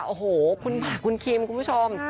โอ้โหคุณหมากคุณคิมคุณผู้ชม